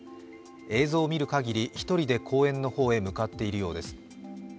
映像を見るかぎり、１人で公園の方に向かっているようです。